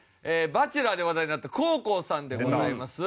『バチェラー』で話題になった黄皓さんでございます。